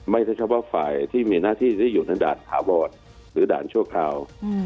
เฉพาะฝ่ายที่มีหน้าที่ที่อยู่ในด่านถาวรหรือด่านชั่วคราว